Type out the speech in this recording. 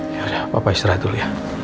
yaudah papa istirahat dulu ya